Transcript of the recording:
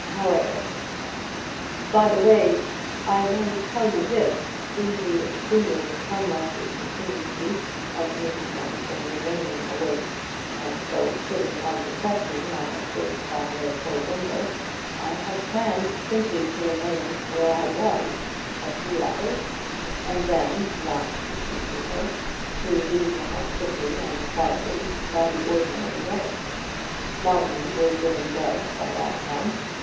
However.... "By the way, I may tell you this: in the extremely unlikely contingency of Mrs. Manderson remaining awake and so putting out of the question my escape by way of her window, I had planned simply to remain where I was a few hours, and then, not speaking to her, to leave the house quickly and quietly by the ordinary way. Martin would have been in bed by that time.